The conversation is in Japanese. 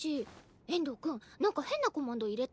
遠藤くんなんか変なコマンド入れた？